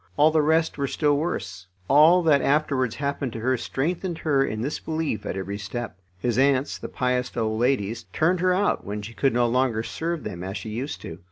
All the rest were still worse. All that afterwards happened to her strengthened her in this belief at every step. His aunts, the pious old ladies, turned her out when she could no longer serve them as she used to.